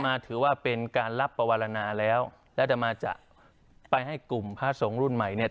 ถือว่าเป็นการรับปวรณาแล้วแล้วต่อมาจะไปให้กลุ่มพระสงฆ์รุ่นใหม่เนี่ย